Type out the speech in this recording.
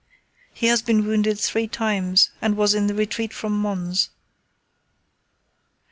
He has been wounded three times and was in the retreat from Mons.